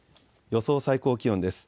予想最高気温です。